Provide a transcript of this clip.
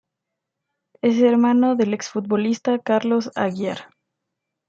Es hermano del exfutbolista Carlos Aguiar.